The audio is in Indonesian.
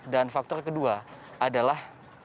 dan faktor kedua adalah